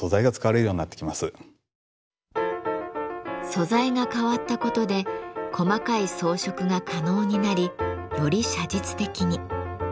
素材が変わったことで細かい装飾が可能になりより写実的に。